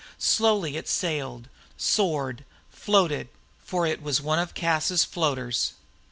Slowly it sailed, soared, floated, for it was one of Cas's floaters.